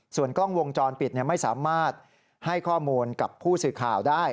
ส่วนกล้องวงจรปิดไม่สามารถให้ข้อมูลกับผู้สื่อข่าวได้